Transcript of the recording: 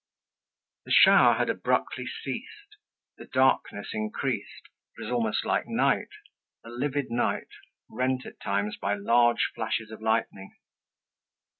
The shower had abruptly ceased. The darkness increased, it was almost like night—a livid night rent at times by large flashes of lightning.